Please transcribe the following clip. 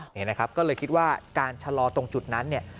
นี่นะครับก็เลยคิดว่าการชะลอตรงจุดนั้นเนี่ย